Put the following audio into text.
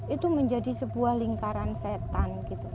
itu menjadi sebuah lingkaran setan gitu